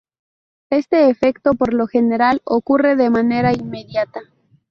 Este efecto, por lo general, ocurre de manera inmediata.